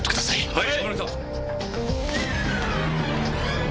はい？